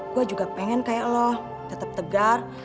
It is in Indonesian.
gue juga pengen kayak lo tetep tegar